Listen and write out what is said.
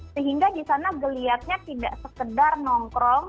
sehingga di sana geliatnya tidak sekedar nongkrong